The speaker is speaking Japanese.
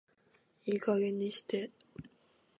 いい加減にして